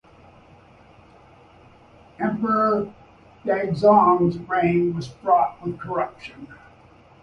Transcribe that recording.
Emperor Daozong's reign was fraught with corruption.